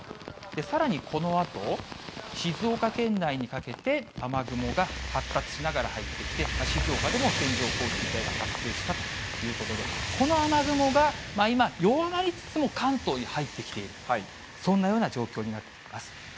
さらにこのあと、静岡県内にかけて、雨雲が発達しながら入ってきて、静岡でも線状降水帯が発生したということで、この雨雲が今、弱まりつつも関東に入ってきている、そんなような状況になっています。